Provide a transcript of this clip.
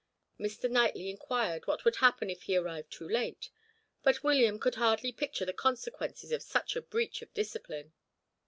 Mr. Knightley inquired what would happen if he arrived too late, but William could hardly picture the consequences of such a breach of discipline.